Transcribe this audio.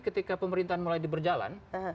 ketika pemerintahan mulai berjalan